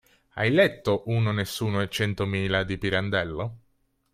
Hai letto "Uno, Nessuno e Centomila" di Pirandello?